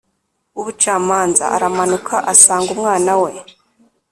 w'ubucamanza, aramanuka asanga umwana we,